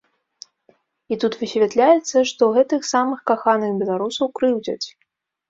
І тут высвятляецца, што гэтых самых каханых беларусаў крыўдзяць.